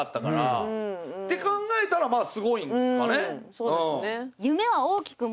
うんそうですね。